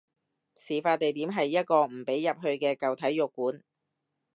事發地點係一個唔俾入去嘅舊體育館